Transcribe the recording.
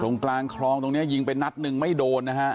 กลางคลองตรงนี้ยิงไปนัดหนึ่งไม่โดนนะฮะ